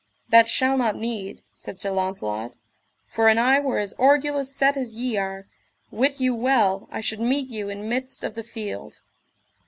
That shall not need, said Sir Launcelot, for an I were as orgulous set as ye are, wit you well I should meet you in midst of the field.